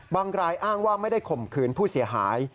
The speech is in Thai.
รายอ้างว่าไม่ได้ข่มขืนผู้เสียหาย